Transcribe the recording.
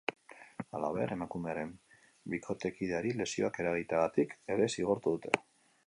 Halaber, emakumearen bikotekideari lesioak eragiteagatik ere zigortu dute.